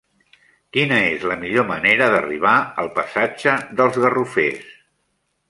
Quina és la millor manera d'arribar al passatge dels Garrofers?